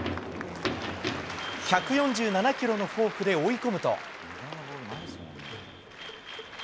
１４７キロのフォークで追い込むと。